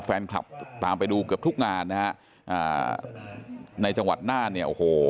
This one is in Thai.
แฟนคลับตามไปดูเกือบทุกงานนะฮะอ่าในจังหวัดน่านเนี่ยโอ้โห